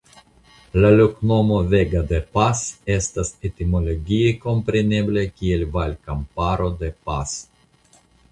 La loknomo "Vega de Pas" estas etimologie komprenebla kiel "Valkamparo de Pas".